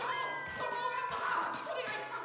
そこをなんとかおねがいします！